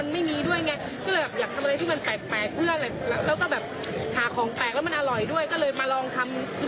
อันนี้เราใส่ต่างจากคนอื่นไงใส่ต่างนี้